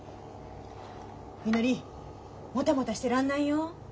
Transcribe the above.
みのりもたもたしてらんないよ。